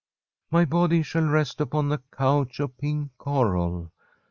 * My body shall rest upon a cniicit of pink coral.